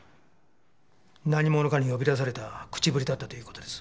何者かに呼び出された口ぶりだったという事です。